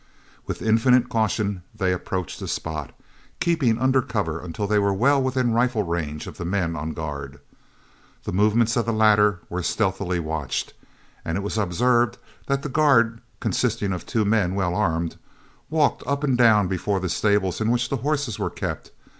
With infinite caution they approached the spot, keeping under cover until they were well within rifle range of the men on guard. The movements of the latter were stealthily watched, and it was observed that the guard, consisting of two men, well armed, walked up and down before the stables in which the horses were kept.